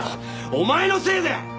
お前のせいで！